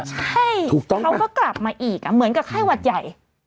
ใช่ถูกต้องเขาก็กลับมาอีกเหมือนกับไข้หวัดใหญ่